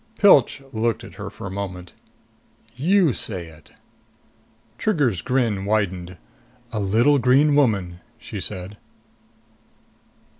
Pilch looked at her for a moment. "You say it!" Trigger's grin widened. "A little green woman," she said.